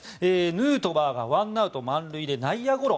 ヌートバーがワンアウト満塁で内野ゴロ。